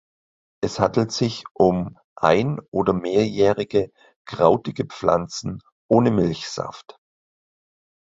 Es handelt sich um ein- oder mehrjährige krautige Pflanzen ohne Milchsaft.